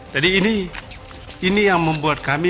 jadi ini yang membuat kami